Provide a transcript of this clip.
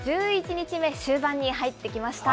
１１日目、終盤に入ってきました。